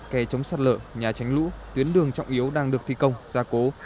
khe chống sắt lở nhà tránh lũ tuyến đường trọng yếu đang được thi công gia cố